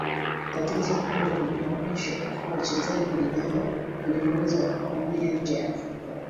Tatizo kubwa ni uhamisho wa wachezaji vijana wenye uwezo kuhamia nje ya Afrika